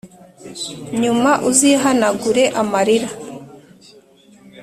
nyuma uzihanagure amarira.